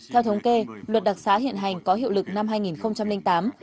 theo thống kê luật đặc xá hiện hành có hiệu lực năm hai nghìn tám